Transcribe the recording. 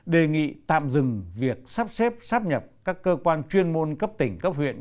đề nghị tạm dừng việc sắp xếp sắp nhập các cơ quan chuyên môn cấp tỉnh cấp huyện